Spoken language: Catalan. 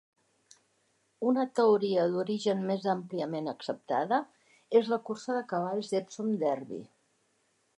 Una teoria d'origen més àmpliament acceptada és la cursa de cavalls Epsom Derby.